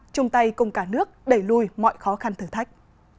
chung tay cùng cả nước đẩy lùi mọi khó khăn thử thách